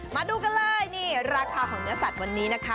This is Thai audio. มาดูกันเลยนี่ราคาของเนื้อสัตว์วันนี้นะคะ